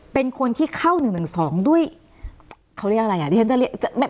เป็นคนที่เข้าหนึ่งหนึ่งสองด้วยเขาเรียกอะไรอ่ะที่ฉันจะเรียก